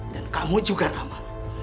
dan kamu juga namanya